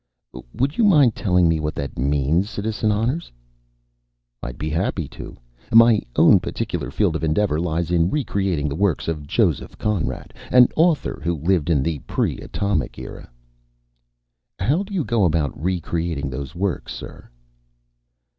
"Would you mind telling me what that means, Citizen Honners?" "I'd be happy to. My own particular field of endeavor lies in re creating the works of Joseph Conrad, an author who lived in the pre atomic era." "How do you go about re creating those works, sir?"